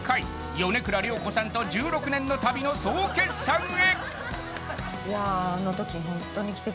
米倉涼子さんと１６年の旅の総決算へ！